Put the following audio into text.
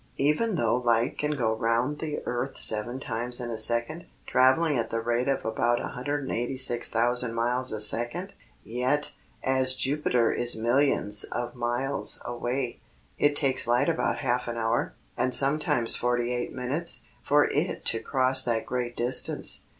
"Even though light can go round the earth seven times in a second, traveling at the rate of about 186,000 miles a second, yet, as Jupiter is millions of miles away, it takes light about half an hour, and some times forty eight minutes, for it to cross that great distance.